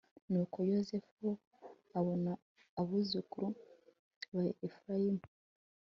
nuko yozefu abona abuzukuru ba efurayimu